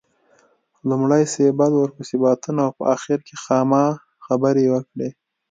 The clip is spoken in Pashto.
لومړی سېبل ورپسې باتون او په اخر کې خاما خبرې وکړې.